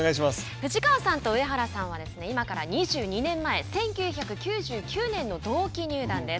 藤川さんと上原さんは今から２２年前１９９９年の同期入団です。